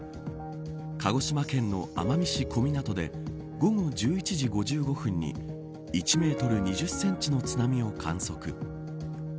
鹿児島県の奄美市小湊で午後１１時５５分に１メートル２０センチの津波を観測。